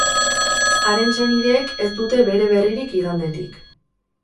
Haren senideek ez dute bere berririk igandetik.